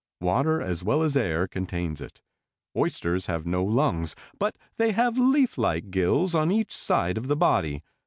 Water as well as air contains it. Oysters have no lungs, but they have leaf like gills on each side of the body.